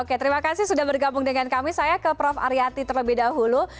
oke terima kasih sudah bergabung dengan kami saya ke prof aryati terlebih dahulu